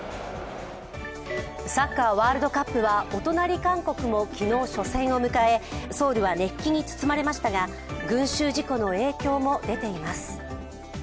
サッカーワールドカップはお隣、韓国も昨日、初戦を迎えソウルは熱気に包まれましたが群集事故の影響も出ています。